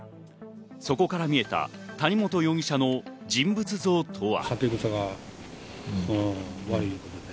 そこから見えた谷本容疑者の人物像とは？